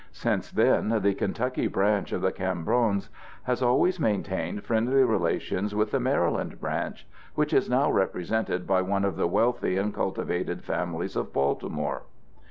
Since then the Kentucky branch of the Cambrons has always maintained friendly relations with the Maryland branch, which is now represented by one of the wealthy and cultivated families of Baltimore.